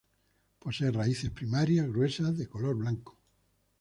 Posee raíces primarias gruesas de color blanco.